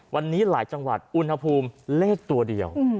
วันนี้หลายจังหวัดอุณหภูมิเลขตัวเดียว